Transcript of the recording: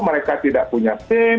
mereka tidak punya sim